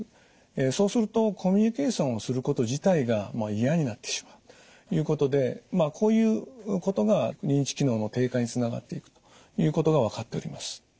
そうするとコミュニケーションをすること自体が嫌になってしまうということでこういうことが認知機能の低下につながっていくということが分かっております。